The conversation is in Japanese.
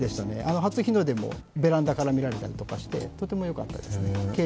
初日の出もベランダから見られたりして、とてもよかったです。